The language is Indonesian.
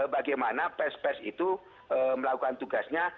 bagaimana pes pers itu melakukan tugasnya